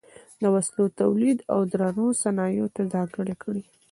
د وسلو تولید او درنو صنایعو ته ځانګړې کړې.